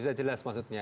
tidak jelas maksudnya